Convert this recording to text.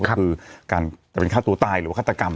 ก็คือการจะเป็นฆ่าตัวตายหรือว่าฆาตกรรม